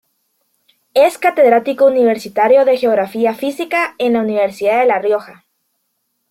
Es catedrático universitario de Geografía Física en la Universidad de La Rioja.